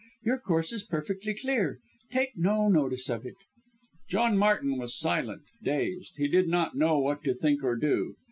Your course is perfectly clear take no notice of it." John Martin was silent dazed. He did not know what to think or do!